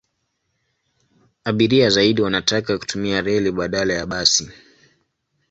Abiria zaidi wanataka kutumia reli badala ya basi.